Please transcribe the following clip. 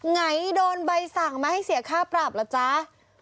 ไหนโดนใบสั่งมาให้เสียค่าปรับล่ะจ๊ะ